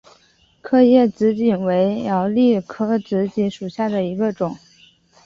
刻叶紫堇为罂粟科紫堇属下的一个种。